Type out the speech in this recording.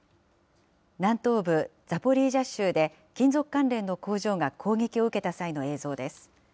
南東部ザポリージャ州で金属関連の工場が攻撃を受けた際の映像です。